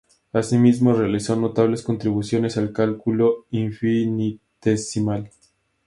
Así mismo, realizó notables contribuciones al cálculo infinitesimal.